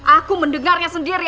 aku mendengarnya sendiri